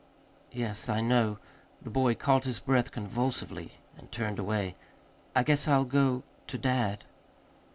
"Yes, I know." The boy caught his breath convulsively and turned away. "I guess I'll go to dad."